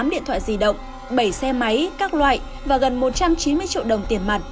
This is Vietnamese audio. tám điện thoại di động bảy xe máy các loại và gần một trăm chín mươi triệu đồng tiền mặt